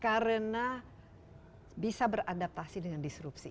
karena bisa beradaptasi dengan disrupsi